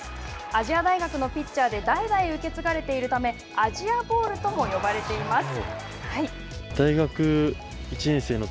亜細亜大学のピッチャーで代々受け継がれているため亜細亜ボールとも呼ばれています。